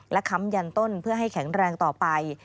และค้ำยันต้นเพื่อให้แข็งแรงต่อไป